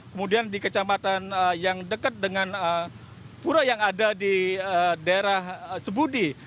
kemudian di kecamatan yang dekat dengan pura yang ada di daerah sebudi